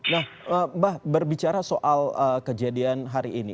nah mbak berbicara soal kejadian hari ini